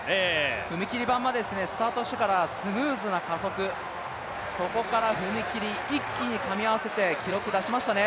踏切板も、スタートしてからスムーズな加速、そこから踏み切り、一気にかみ合わせて記録出しましたね。